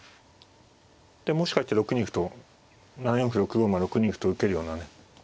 でもしかして６二歩と７四歩６五馬６二歩と受けるようなね